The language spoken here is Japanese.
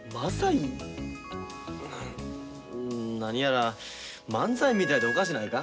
何やら漫才みたいでおかしないか？